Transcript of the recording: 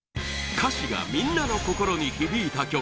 歌詞がみんなの心に響いた曲